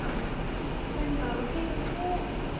何か受けると。